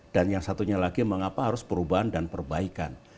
dan yang satunya lagi mengapa harus perubahan dan perbaikan